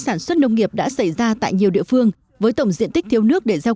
sản xuất nông nghiệp đã xảy ra tại nhiều địa phương với tổng diện tích thiếu nước để gieo